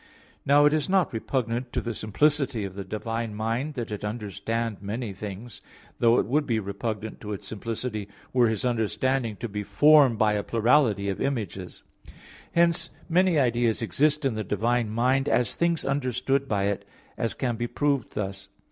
Now, it is not repugnant to the simplicity of the divine mind that it understand many things; though it would be repugnant to its simplicity were His understanding to be formed by a plurality of images. Hence many ideas exist in the divine mind, as things understood by it; as can be proved thus.